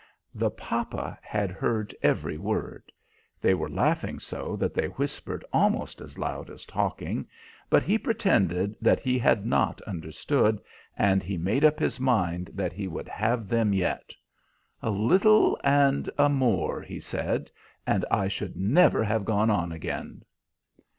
The papa had heard every word; they were laughing so that they whispered almost as loud as talking; but he pretended that he had not understood, and he made up his mind that he would have them yet. "A little and a more," he said, "and I should never have gone on again."